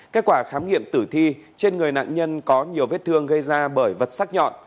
kết quả khám nghiệm tử thi trên người nạn nhân có nhiều vết thương gây ra bởi vật sắc nhọn